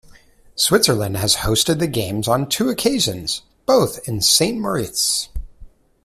Switzerland has hosted the Games on two occasions, both in Saint Moritz.